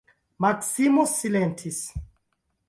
Maksimo silentis.